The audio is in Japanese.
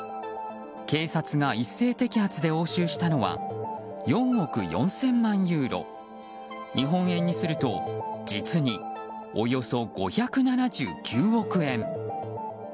警察が一斉摘発で押収したのは４億４０００万ユーロ日本円にすると実におよそ５７９億円。